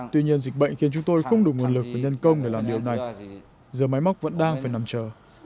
tuy nhiên dịch bệnh khiến chúng tôi không đủ nguồn lực và nhân công để làm điều này giờ máy móc vẫn đang phải nằm chờ